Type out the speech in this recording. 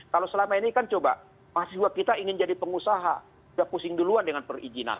kalau selama ini kan coba mahasiswa kita ingin jadi pengusaha sudah pusing duluan dengan perizinan